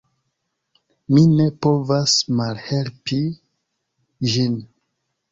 Mi ne povas malhelpi ĝin.